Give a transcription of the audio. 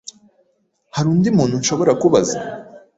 Hari undi muntu nshobora kubaza?